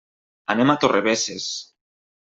Anem a Torrebesses.